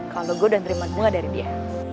kalau gue udah terima bunga dari dia